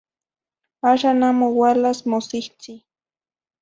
Axan amo ualas mosihtzi.